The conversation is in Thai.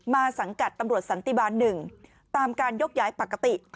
สังกัดตำรวจสันติบาล๑ตามการยกย้ายปกติ